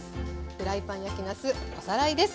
フライパン焼きなすおさらいです。